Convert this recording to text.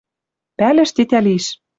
Пӓлӹш тетя лиш